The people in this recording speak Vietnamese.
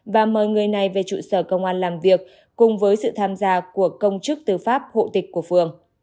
và mời người này về trụ sở công an làm việc cùng với sự tham gia của công chức tư pháp hộ tịch của phường